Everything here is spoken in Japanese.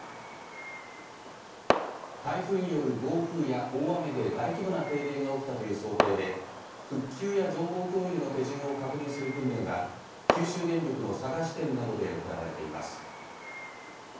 台風による暴風や大雨で大規模な停電が起きたという想定で復旧や情報共有の手順を確認する訓練が九州電力の佐賀支店などで行われています。